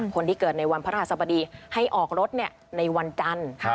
คนที่เกิดในวันพระราชสบดีให้ออกรถในวันจันทร์